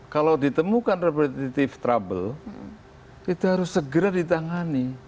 kalau ditemukan representative trouble itu harus segera ditangani